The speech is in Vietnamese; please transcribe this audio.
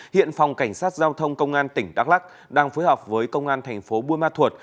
hiện phòng cảnh sát giao thông công an tỉnh đắk lắc đang phối hợp với công an thành phố buôn ma thuột